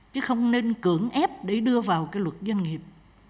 chứ không nên cưỡng ép để đưa vào cái luật doanh nghiệp